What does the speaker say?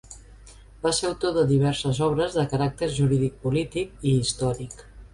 Va ser autor de diverses obres de caràcter jurídic-polític i històric.